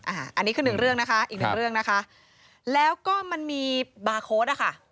อันนี้คือหนึ่งเรื่องนะคะอีกหนึ่งเรื่องนะคะแล้วก็มันมีบาร์โค้ดอ่ะค่ะ